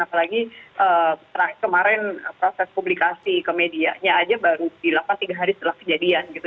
apalagi kemarin proses publikasi ke medianya aja baru dilakukan tiga hari setelah kejadian gitu